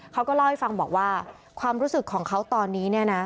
เขาก็เล่าให้ฟังบอกว่าความรู้สึกของเขาตอนนี้เนี่ยนะ